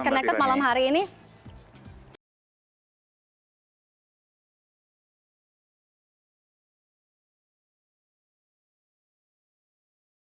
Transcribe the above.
terima kasih banyak banyak